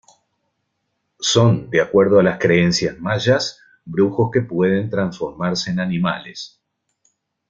Son, de acuerdo a las creencias mayas, brujos que pueden transformarse en animales.